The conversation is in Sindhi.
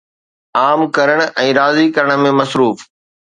عام ڪرڻ ۽ راضي ڪرڻ ۾ مصروف